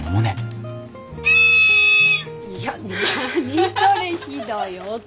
いや何それひどい音。